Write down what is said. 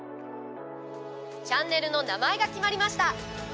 チャンネルの名前が決まりました。